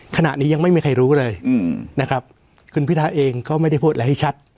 ขณะนี้ยังไม่มีใครรู้เลยนะครับคุณพิทาเองก็ไม่ได้พูดอะไรให้ชัด